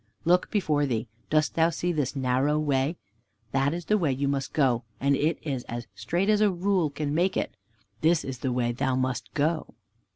Look before thee; dost thou see this narrow way? That is the way thou must go, and it is as straight as a rule can make it. This is the way thou must go."